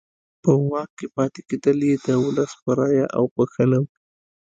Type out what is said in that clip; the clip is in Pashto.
په واک کې پاتې کېدل یې د ولس په رایه او خوښه نه وو.